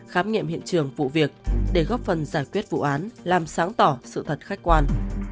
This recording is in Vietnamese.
khám nghiệm hiện trường vụ việc để góp phần giải quyết vụ án làm sáng tỏ sự thật khách quan